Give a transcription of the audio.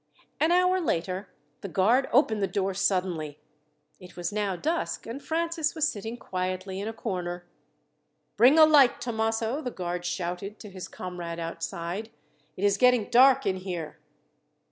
An hour later the guard opened the door suddenly. It was now dusk, and Francis was sitting quietly in a corner. "Bring a light, Thomaso," the guard shouted to his comrade outside. "It is getting dark in here."